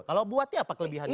kalau buati apa kelebihannya